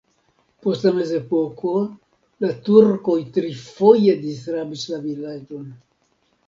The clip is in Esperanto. Post la mezepoko la turkoj trifoje disrabis la vilaĝon.